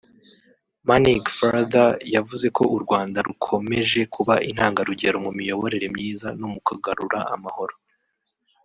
Manig further yavuze ko u Rwanda rukomeje kuba intangarugero mu miyoborere myiza no mu kugarura amahoro